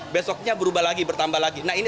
besoknya berubah lagi bertambah lagi